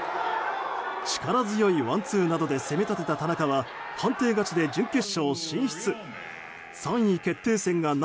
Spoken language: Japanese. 力強いワンツーなどで攻め立てた田中は判定勝ちで準決勝進出。